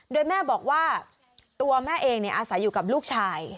โดยแม่บอกว่าตัวแม่เองอาศัยอยู่กับลูกชาย